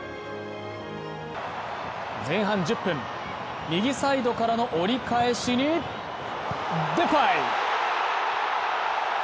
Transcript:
前半１０分、右サイドからの折り返しにデパイ！